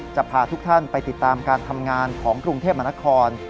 จะพาทุกท่านไปติดตามการทำงานของกรุงเทพมนคร